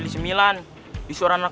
satu dua tiga